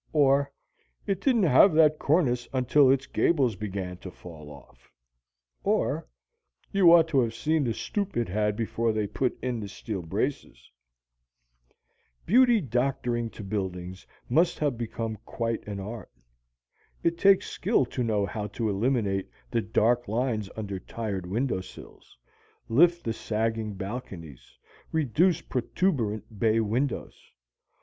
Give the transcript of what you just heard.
Or, "It didn't have that cornice until its gables began to fall off." Or, "You ought to have seen the stoop it had before they put in the steel braces." Beauty doctoring to buildings must have become quite an art. It takes skill to know how to eliminate the dark lines under tired window sills, lift the sagging balconies, reduce protuberant bay windows.